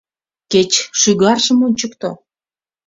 Кеч шӱгаржым ончыкто!